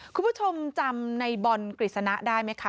คุณผู้ชมจำในบอลกฤษณะได้ไหมคะ